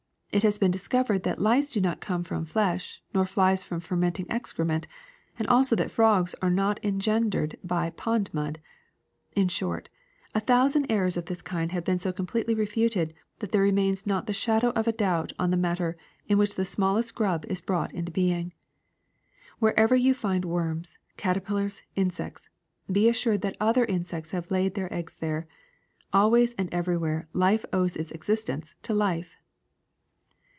It has been dis covered that lice do not come from flesh, nor fleas from fermenting excrement, and also that frogs are not engendered by pond mud. In short, a thousand errors of this kind have been so completely refuted that there remains not the shadow of a doubt on the manner in which the smallest grub is brought into being. Wherever you find worms, caterpillars, in sects, be assured that other insects have laid their eggs there. Always and everywhere life owes its existence to life.'